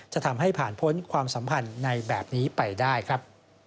จะทำให้ผ่านพ้นความสัมพันธ์ในแบบนี้ไปได้ครับ